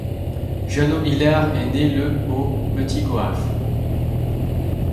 Jeannot Hilaire est né le au Petit-Goâve.